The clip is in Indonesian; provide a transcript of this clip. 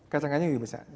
kacang kacangnya juga bisa